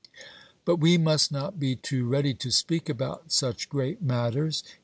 But we must not be too ready to speak about such great matters.